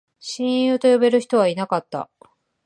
親友と呼べる人はいなかった